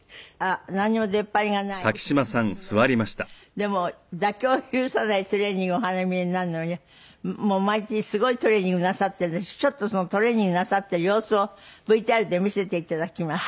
でも妥協を許さないトレーニングをお励みになるのに毎日すごいトレーニングなさってるんでちょっとそのトレーニングなさってる様子をＶＴＲで見せて頂きます。